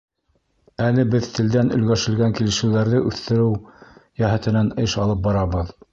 Әле беҙ телдән өлгәшелгән килешеүҙәрҙе үҫтереү йәһәтенән эш алып барабыҙ.